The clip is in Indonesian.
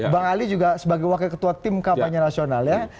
bang ali juga sebagai wakil ketua tim kampanye nasional ya